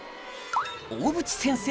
大渕先生